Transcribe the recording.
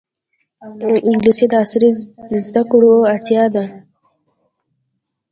انګلیسي د عصري زده کړو اړتیا ده